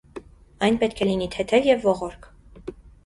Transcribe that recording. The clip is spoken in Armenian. Այն պետք է լինի թեթև և ողորկ։